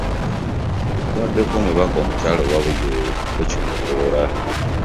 Kubaddeko omubaka omukyala owa Bugweri, Rachael Magoola